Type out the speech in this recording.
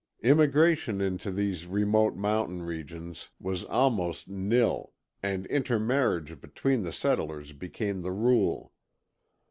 Immigration into these remote mountain regions was almost nil and intermarriage between the settlers became the rule.